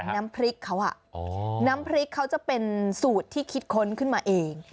น้ำพริกเขาน้ำพริกเขาจะเป็นสูตรที่คิดค้นขึ้นมาเอง